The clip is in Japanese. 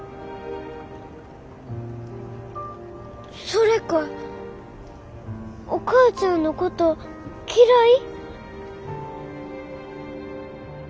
それかお母ちゃんのこと嫌い？